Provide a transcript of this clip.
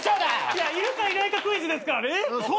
いやいるかいないかクイズですからね。